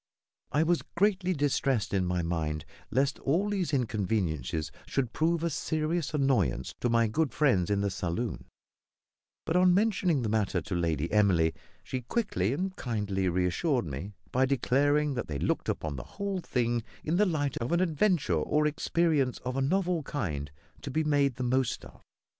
I was greatly distressed in my mind lest all these inconveniences should prove a serious annoyance to my good friends in the saloon; but on mentioning the matter to Lady Emily, she quickly and kindly reassured me by declaring that they looked upon the whole thing in the light of an adventure or experience of a novel kind to be made the most of.